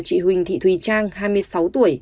chị huỳnh thị thùy trang hai mươi sáu tuổi